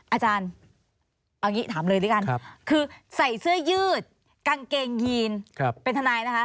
อาจารย์เอาอย่างนี้ถามเลยด้วยกันคือใส่เสื้อยืดกางเกงยีนเป็นทนายนะคะ